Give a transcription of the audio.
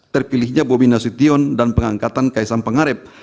terpilihnya bobi nasution dan pengangkatan kaisang pengarep